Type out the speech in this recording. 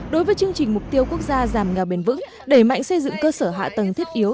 đối với chương trình mục tiêu quốc gia giảm nghèo bền vững đẩy mạnh xây dựng cơ sở hạ tầng thiết yếu